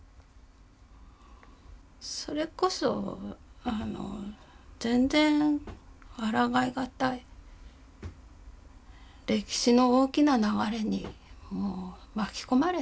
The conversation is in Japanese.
それこそあの全然あらがい難い歴史の大きな流れにもう巻き込まれてるっていう感じでしたね。